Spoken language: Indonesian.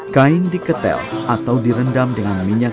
kain diketel atau direndam dengan minyak